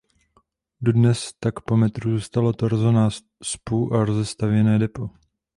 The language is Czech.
Dodnes tak po metru zůstalo torzo náspu a rozestavěné depo.